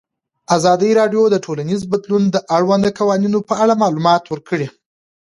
ازادي راډیو د ټولنیز بدلون د اړونده قوانینو په اړه معلومات ورکړي.